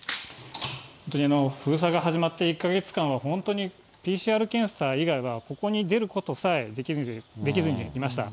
本当に封鎖が始まって１か月間は、本当に、ＰＣＲ検査以外は、ここに出ることさえできずにいました。